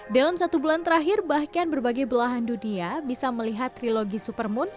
dalam satu bulan terakhir bahkan berbagai belahan dunia bisa melihat trilogi supermoon